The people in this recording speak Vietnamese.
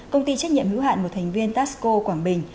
công ty trách nhiệm hữu hạn một thành viên tasco quảng bình